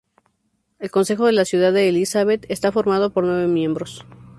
El Concejo de la Ciudad de Elizabeth está formado por nueve miembros.